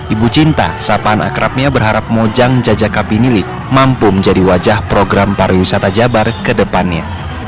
ibu cinta sapan akrabnya berharap mojang jjk binili mampu menjadi wajah program para wisata jabar kedepannya